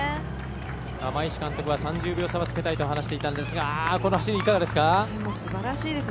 釜石監督は３０秒差はつけたいと話していたんですがこの走り、いかがですか。